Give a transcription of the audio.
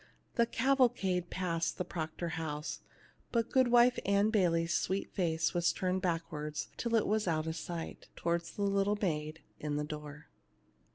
The cavalcade passed the Proctor house, but Goodwife Ann Bayley's sweet face was turned backward until it was out of sight, towards the little maid in the door.